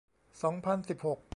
สองพันสิบหก